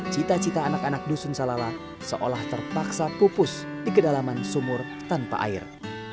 cita cita anak anak dusun salala seolah terpaksa pupus di kedalaman sumur tanpa air